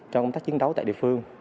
trong công tác chiến đấu tại địa phương